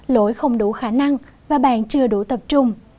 lỗi không đủ khả năng và bạn chưa đủ tập trung